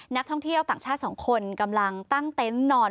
นักท่องเที่ยวต่างชาติ๒คนกำลังตั้งเต็นต์นอน